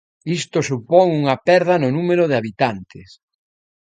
Isto supón unha perda no número de habitantes.